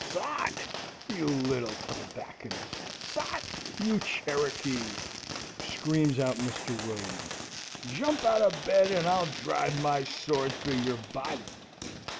"Sot, you little tobacconist! Sot, you Cherokee!" screams out Mr. William. "Jump out of bed, and I'll drive my sword through your body.